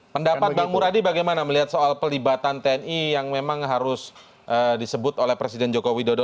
pendapat bang muradi bagaimana melihat soal pelibatan tni yang memang harus disebut oleh presiden joko widodo